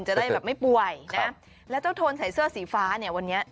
จะได้แบบไม่ป่วยนะแล้วเจ้าโทนใส่เสื้อสีฟ้าเนี่ยวันนี้